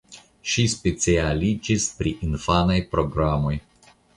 Ŝi specialiĝis pri infanaj programoj.